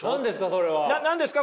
それは。何ですか？